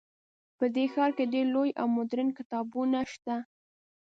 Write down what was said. په دې ښار کې ډیر لوی او مدرن کتابتونونه شته